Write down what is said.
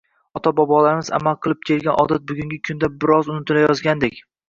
Ota-boblarimiz amal qilib kelgan odat bugungi kunda bir oz unutilayozgandek.